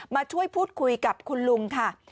มาช่วยพูดคุยกับคุณลุงค่ะ